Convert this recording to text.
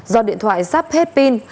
do điện thoại sắp hết pin